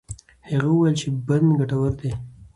هغه وویل چې بند ګټور دی.